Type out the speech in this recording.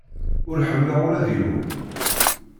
Ur ḥemmleɣ ula d yiwen.